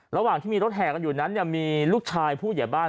ระหว่างที่มีรถแห่กันอยู่นั้นมีลูกชายผู้ใหญ่บ้าน